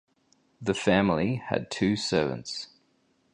The family had two servants.